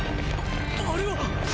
ああれは。